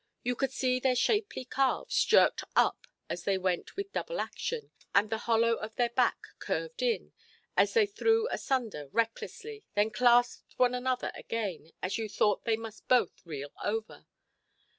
You could see their shapely calves jerked up as they went with double action, and the hollow of the back curved in, as they threw asunder recklessly, then clasped one another again, and you thought they must both reel over.